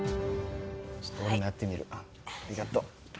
ちょっと俺もやってみるありがと